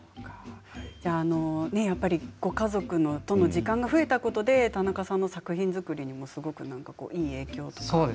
ご家族との時間が増えたことで田中さんの作品作りにもすごくいい影響とか？